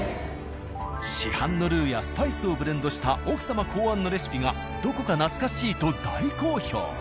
市販のルーやスパイスをブレンドした奥様考案のレシピがどこか懐かしいと大好評。